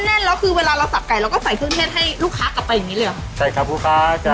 แน่นแล้วคือเวลาเราสับไก่เราก็ใส่เครื่องเทศให้ลูกค้ากลับไปอย่างงี้เลยเหรอใช่ครับลูกค้าจ้ะ